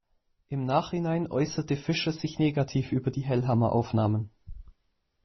Im Nachhinein äußerte Fischer sich negativ über die Hellhammer-Aufnahmen.